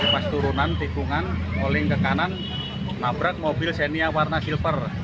pas turunan tikungan oleng ke kanan nabrak mobil xenia warna silver